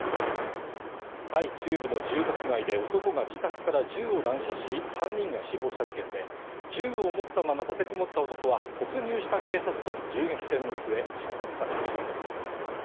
タイ中部の住宅街で男が自宅から銃を乱射し、３人が死亡した事件で銃を持ったまま立てこもった男は、突入した警察との銃撃戦の末、射殺されました。